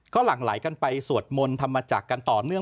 ก็หลั่งไหลกันไปสวดมนต์ธรรมจักรกันต่อเนื่อง